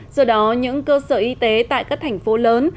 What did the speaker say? do đó những cơ sở y tế tại các thành phố lớn